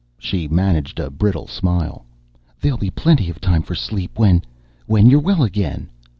She managed a brittle smile. "There'll be plenty of time for sleep when ... when you're well again."